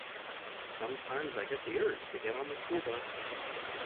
Sometimes I get the urge to get on the school bus.